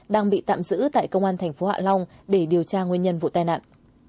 đang bị tạm giữ tại công an thành phố hạ long để điều tra nguyên nhân vụ tai nạn